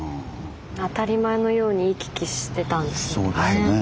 当たり前のように行き来してたんですもんね。